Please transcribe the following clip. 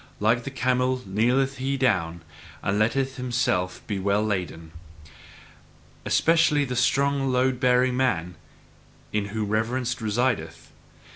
Like the camel kneeleth he down, and letteth himself be well laden. Especially the strong load bearing man in whom reverence resideth.